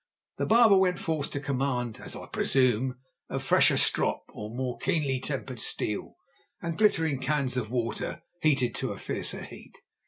The barber went forth to command, as I presume, a fresher strop, or more keenly tempered steel, and glittering cans of water heated to a fiercer heat.